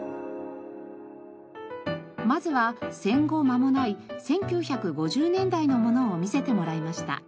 まずは戦後まもない１９５０年代のものを見せてもらいました。